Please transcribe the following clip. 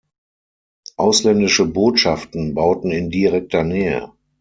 Ausländische Botschaften bauten in direkter Nähe.